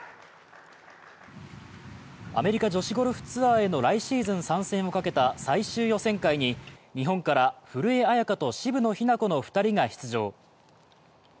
アメリカ女子ゴルフツアーへの来シーズン参戦をかけた最終予選会に日本から古江彩佳と渋野日向子の２人が出場。